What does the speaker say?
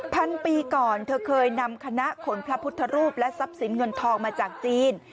พันปีก่อนเธอเคยนำคณะขนพระพุทธรูปและทรัพย์สินเงินทองมาจากจีน